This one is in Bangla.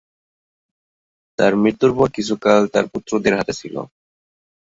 তার মৃত্যুর পর কিছুকাল তার পুত্রদের হাতে ছিল।